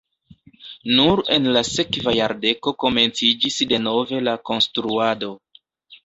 Nur en la sekva jardeko komenciĝis denove la konstruado.